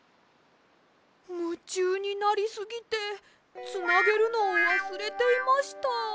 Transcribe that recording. むちゅうになりすぎてつなげるのをわすれていました。